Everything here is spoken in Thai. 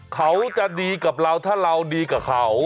เขาจะดีกับเราถ้าเราดีกับเขา